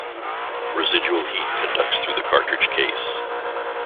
Residual heat conducts through the cartridge case.